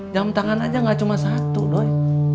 jam tangan aja gak cuma satu doain